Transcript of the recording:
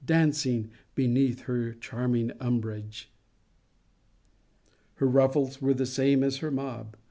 dancing beneath her charming umbrage. Her ruffles were the same as her mob.